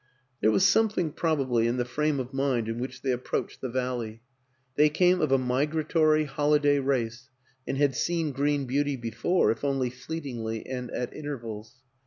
There was something, probably, in the frame of mind in which they approached the valley; they came of a migratory, holiday race, and had seen green beauty before, if only fleetingly and at in tervals.